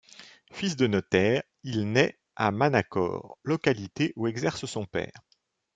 Fils de notaire, il naît à Manacor, localité où exerce son père.